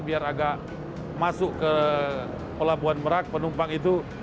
biar agak masuk ke pelabuhan merak penumpang itu